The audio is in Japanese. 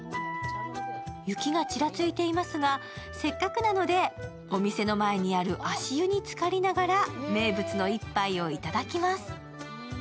雪がちらついていますが、せっかくなので、お店の前にある足湯につかりながら名物の一杯をいただきます。